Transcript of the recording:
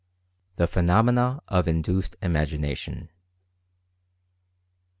THE PHENOMENA OF INDUCED IMAGINA TION.